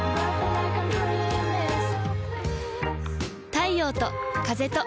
太陽と風と